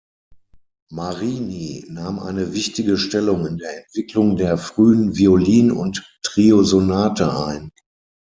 Marini nahm eine wichtige Stellung in der Entwicklung der frühen Violin- und Triosonate ein.